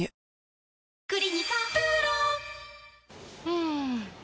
うん